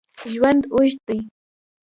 ژوند اوږد دی